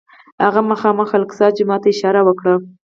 هغه مخامخ الاقصی جومات ته اشاره وکړه.